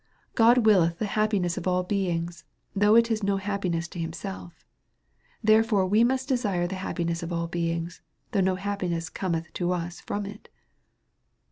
God willeth the happiness of all beings, though it is no happiness to himself. Therefore we must desire the happiness of all beings, though no happiness com eth to us from it.